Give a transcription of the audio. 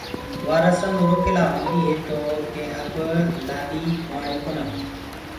وآ رسم اُرو ڪي لاهونديٚ هي تو ڪي اب لآڏي ڪنوآرئ ڪونآ۔